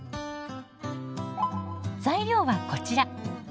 材料はこちら。